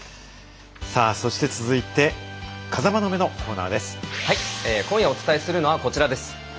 そして、続いて今夜お伝えするのはこちらです。